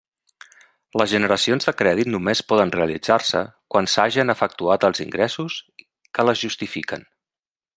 Les generacions de crèdit només poden realitzar-se quan s'hagen efectuat els ingressos que les justifiquen.